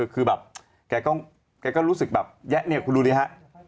คือแบบแกก็รู้สึกแบบแยะเนี่ยคุณดูดิฮะ